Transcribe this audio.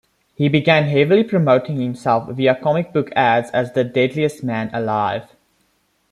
He began heavily promoting himself via comic book ads as the "Deadliest Man Alive".